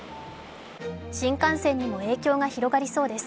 新幹線にも影響が広がりそうです。